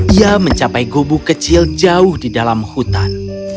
dia mencapai gobu kecil jauh di dalam hutan